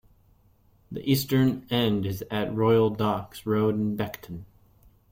The eastern end is at Royal Docks Road in Beckton.